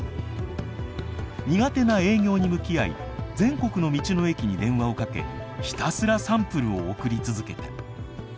苦手な営業に向き合い全国の道の駅に電話をかけひたすらサンプルを送り続けた。